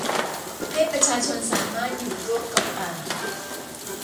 ให้ประชาชนสามารถอยู่ร่วมกับป่า